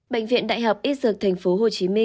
bệnh viện đại học ít dược tp hcm